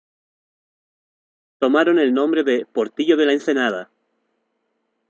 Tomaron el nombre de "Portillo de la Ensenada".